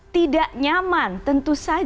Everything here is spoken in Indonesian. tidak nyaman tentu saja untuk mencari masker